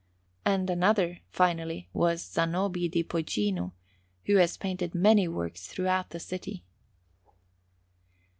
And another, finally, was Zanobi di Poggino, who has painted many works throughout the city.